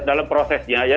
dalam prosesnya ya